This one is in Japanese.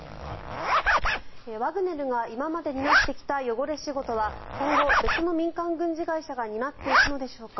ワグネルが今まで担ってきた汚れ仕事は今後、別の民間軍事会社が担っていくことになるのでしょうか。